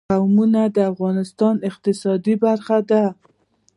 قومونه د افغانستان د اقتصاد برخه ده.